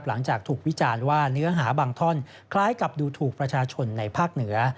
หลังจากถูกวิจารณ์ว่าเนื้อหาบางท่อนคล้ายกับดูถูกประชาชนในภาคเหนือ